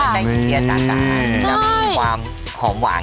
ได้กลิ่นเครื่องเทศเลยค่ะมีใช่มีความหอมหวาน